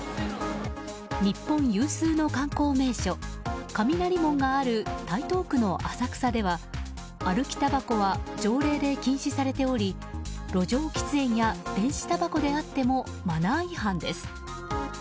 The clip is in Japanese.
日本有数の観光名所雷門がある台東区の浅草では歩きたばこは条例で禁止されており路上喫煙や電子たばこであってもマナー違反です。